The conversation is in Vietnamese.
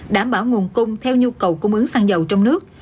đảm bảo nguồn cung theo nhu cầu cung ứng xăng dầu trong nước